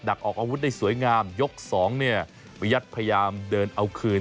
ออกอาวุธได้สวยงามยกสองเนี่ยประยัติพยายามเดินเอาคืน